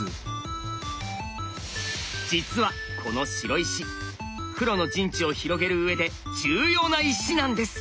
実はこの白石黒の陣地を広げるうえで重要な石なんです。